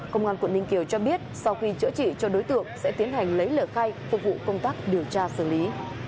công an quận ninh kiều cho biết sau khi chữa trị cho đối tượng sẽ tiến hành lấy lời khai phục vụ công tác điều tra xử lý